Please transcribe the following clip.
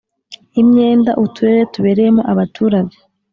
imyenda uturere tubereyemo abaturage,